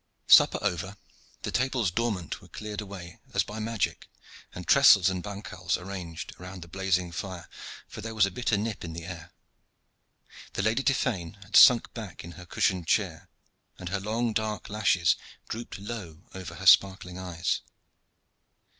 Supper over, the tables dormant were cleared away as by magic and trestles and bancals arranged around the blazing fire, for there was a bitter nip in the air. The Lady Tiphaine had sunk back in her cushioned chair, and her long dark lashes drooped low over her sparkling eyes.